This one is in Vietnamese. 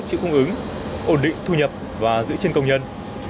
chịu cung ứng ổn định thu nhập và giữ trên công nhân